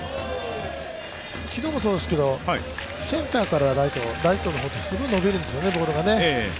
昨日もそうですけどセンターからライト、ライトの方ってすぐのびるんですよね、ボールがね。